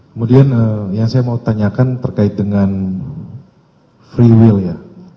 kemudian yang saya mau tanyakan terkait dengan free will ya